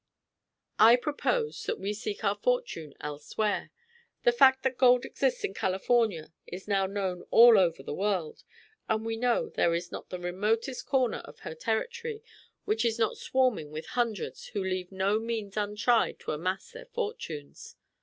I propose that we seek our fortune elsewhere. The fact that gold exists in California is now known all over the world, and we know there is not the remotest corner of her territory which is not swarming with hundreds who leave no means untried to amass their fortunes.